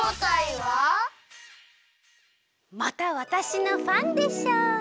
またわたしのファンでしょう。